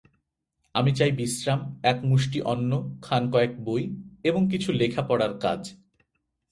আমি চাই বিশ্রাম, একমুষ্টি অন্ন, খানকয়েক বই এবং কিছু লেখাপড়ার কাজ।